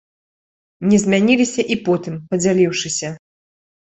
Не змяніліся і потым, падзяліўшыся.